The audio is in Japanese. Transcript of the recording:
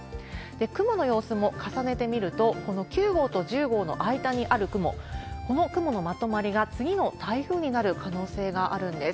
雲の様子も重ねてみると、この９号と１０号の間にある雲、この雲のまとまりが次の台風になる可能性があるんです。